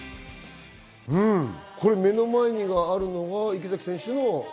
目の前にあるのが池崎選手の。